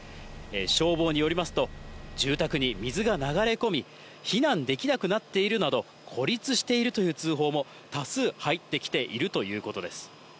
消防によりますと、住宅に水が流れ込み、避難できなくなっているなど、孤立しているという通報も多数入ってきているということです。